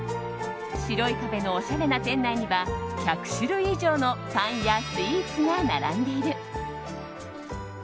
白い壁のおしゃれな店内には１００種類以上のパンやスイーツが並んでいる。